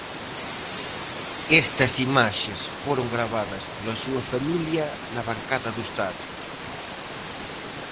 Estas imaxes foron gravadas pola súa familia na bancada do estadio.